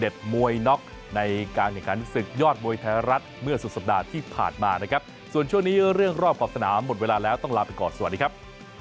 ต้องลาไปก่อนสวัสดีครับ